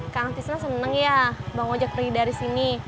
kang tisna seneng ya bang ojak pergi dari sini